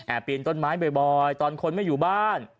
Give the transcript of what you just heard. ปีนต้นไม้บ่อยตอนคนไม่อยู่บ้าน